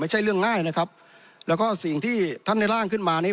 ไม่ใช่เรื่องง่ายนะครับแล้วก็สิ่งที่ท่านได้ร่างขึ้นมานี่